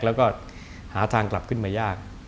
แล้วก็หาทางกลับขึ้นมายาก